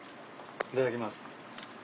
いただきます。